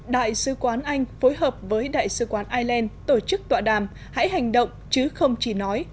đại sứ quán anh phối hợp với đại sứ quán ireland tổ chức tọa đàm hãy hành động chứ không chỉ nói